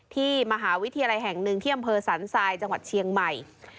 ที่มหาวิทยาลัยแห่งหนึ่งที่อำเภอสันทรายจังหวัดเชียงใหม่